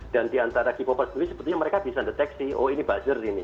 dan di antara k popers ini sebetulnya mereka bisa deteksi oh ini buzzer ini